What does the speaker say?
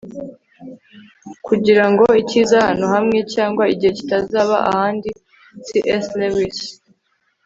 kugira ngo icyiza ahantu hamwe cyangwa igihe kitazaba ahandi - c s lewis